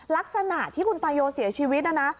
ลักษณะที่คุณตายโยเสียชีวิตนะนะ